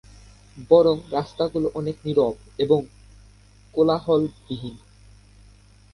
বরং রাস্তা গুলো অনেক নিরব এবং কোলাহলবিহীন।